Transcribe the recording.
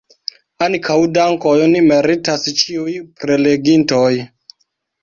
Ankaŭ dankojn meritas ĉiuj prelegintoj.